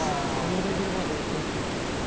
そのレベルまでいくんだ。